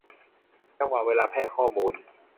จังหวะเวลาแพร่ข้อมูล